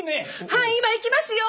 はい今行きますよ！